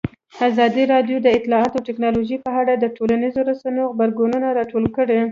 ازادي راډیو د اطلاعاتی تکنالوژي په اړه د ټولنیزو رسنیو غبرګونونه راټول کړي.